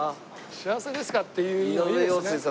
「幸せですか？」っていうのいいですね。